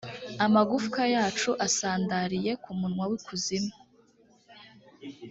amagufwa yacu asandariye ku munwa w’ikuzimu